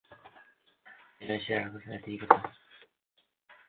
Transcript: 本游戏也是阿历克斯小子系列第一作。